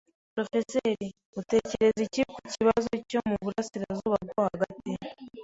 Porofeseri, utekereza iki ku kibazo cyo mu burasirazuba bwo hagati?